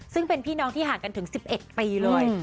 ซึ่งเป็นพี่น้องที่ห่างกันถึงสิบเอ็ดปีเลยอืม